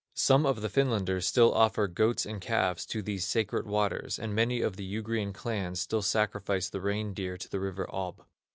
Some of the Finlanders still offer goats and calves to these sacred waters; and many of the Ugrian clans still sacrifice the reindeer to the river Ob.